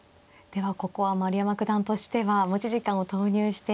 ではここは丸山九段としては持ち時間を投入して。